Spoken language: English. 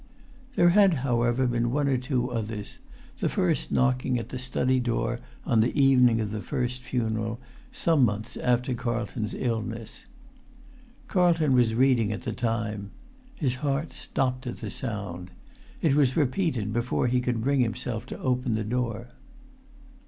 There had, however, been one or two others; the[Pg 231] first knocking at the study door on the evening of the first funeral, some months after Carlton's illness. Carlton was reading at the time. His heart stopped at the sound. It was repeated before he could bring himself to open the door.